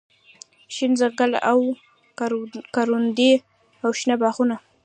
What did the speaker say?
شين ځنګل او کروندې او شنه باغونه